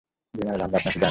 General, আমরা আপনাকে জানি।